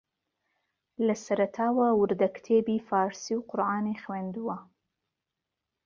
لە سەرەتاوە وردەکتێبی فارسی و قورئانی خوێندووە